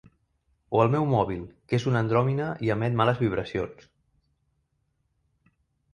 O el meu mòbil, que és una andròmina i emet males vibracions.